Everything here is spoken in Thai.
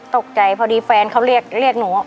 ตกใจพอดีแฟนเขาเรียกหนู